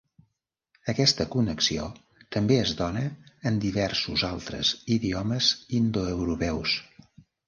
Aquesta connexió també es dóna en diversos altres idiomes indoeuropeus.